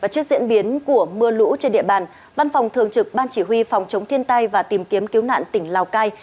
trước diễn biến của mưa lũ trên địa bàn văn phòng thường trực ban chỉ huy phòng chống thiên tai và tìm kiếm cứu nạn tỉnh lào cai